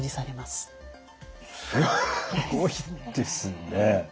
すごいですね。